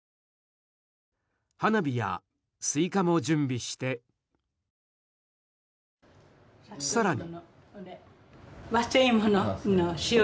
花火やスイカも準備して更に。